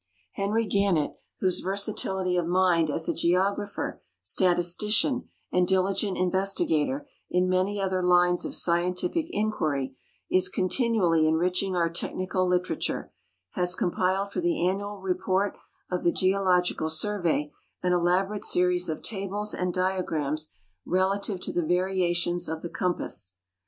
Henry Gannett, whose versatility of mind as a geographer, statistician, and diligent investigator in many other lines of scientific inquiry is con tinually enriching our technical literature, has compiled for tiie Annual Report of the Geological Survey an elaborate series of tallies and diagrams relative to the variation of the compass.